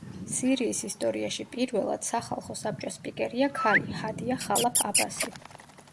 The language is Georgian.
სირიის ისტორიაში პირველად სახლხო საბჭოს სპიკერია ქალი, ჰადია ხალაფ აბასი.